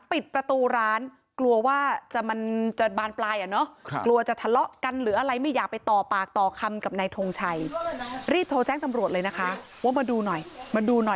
ปิดประตูร้านโทรเรียกตำรวจ